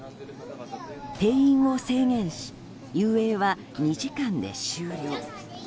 定員を制限し遊泳は２時間で終了。